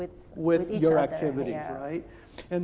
tidak berkaitan dengan aktivitas anda